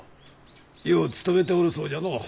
よう勤めておるそうじゃのう。